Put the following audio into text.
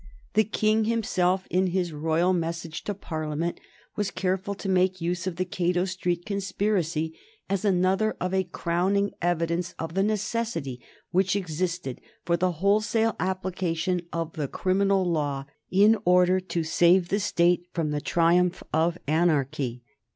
The King himself in his royal message to Parliament was careful to make use of the Cato Street conspiracy as another and a crowning evidence of the necessity which existed for the wholesale application of the criminal law in order to save the State from the triumph of anarchy.